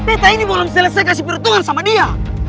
teta ini boleh selesai kasih peruntungan sama dia